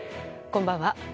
こんばんは。